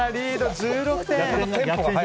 １６点！